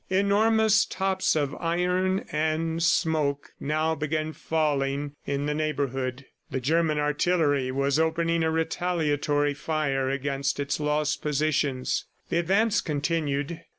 Enormous tops of iron and smoke now began falling in the neighborhood. The German artillery was opening a retaliatory fire against its lost positions. The advance continued.